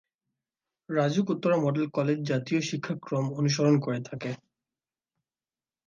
RAJUK Uttara model college জাতীয় শিক্ষাক্রম অনুসরণ করে থাকে।